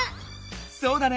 そうだね！